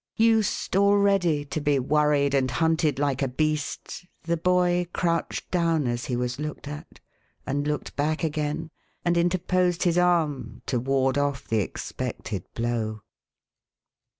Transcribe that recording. Used, already, to be worried and hunted like 'a beast, 444 THE HAUNTED MAN. the boy crouched down as he was looked at, and looked back again, and interposed his arm to ward off the ex pected blow.